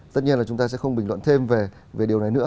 tất nhiên là chúng ta sẽ không bình luận thêm về điều này nữa